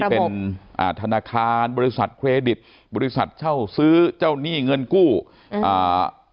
เป็นอ่าธนาคารบริษัทเครดิตบริษัทเช่าซื้อเจ้าหนี้เงินกู้อ่า